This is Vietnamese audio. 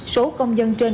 số công dân trên